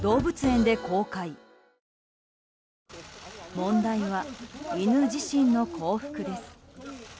問題は犬自身の幸福です。